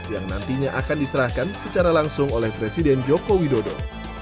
yang nantinya akan diserahkan secara langsung oleh presiden joko widodo